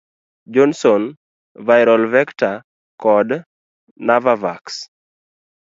Johnson, Viral vector, kod Navavax.